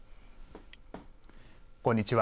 こんにちは。